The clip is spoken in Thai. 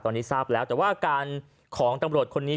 ตอนนี้ทราบแล้วแต่ว่าอาการของตำรวจคนนี้